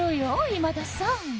今田さん